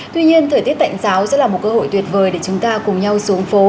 tuy nhiên thời tiết tạnh giáo sẽ là một cơ hội tuyệt vời để chúng ta cùng nhau xuống phố